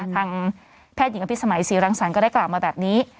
ทางแพทย์หญิงอภิษมัยศรีรังสรรคก็ได้กล่าวมาแบบนี้